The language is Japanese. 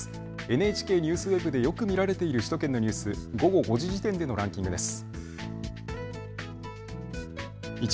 ＮＨＫＮＥＷＳＷＥＢでよく見られている首都圏のニュース午後５時時点でのランキングです。